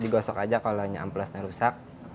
digosok aja kalau amplasnya rusak